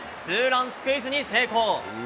ツーランスクイズに成功。